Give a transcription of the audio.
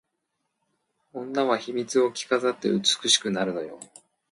女は秘密を着飾って美しくなるのよ